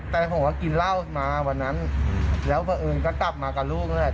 แต่ผมก็กินเหล้ามาวันนั้นแล้วก็อื่นก็กลับมากับลูกแล้ว